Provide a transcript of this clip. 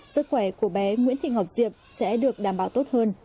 sức khỏe của bé nguyễn thị ngọc diệp sẽ được đảm bảo tốt hơn